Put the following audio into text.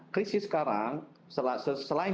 krisis sekarang selain